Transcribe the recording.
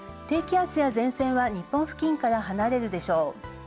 低気圧や前線は日本付近から離れるでしょう。